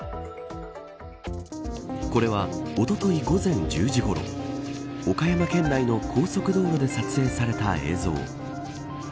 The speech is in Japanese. これは、おととい午前１０時ごろ岡山県内の高速道路で撮影された映像。